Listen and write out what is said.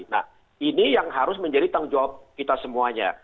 nah ini yang harus menjadi tanggung jawab kita semuanya